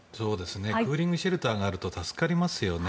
クーリングシェルターがあると助かりますよね。